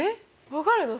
分かるの？